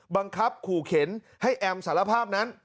บังคับขู่เข็นให้แอมสารภาพนั้น